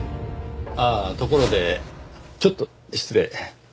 ああところでちょっと失礼。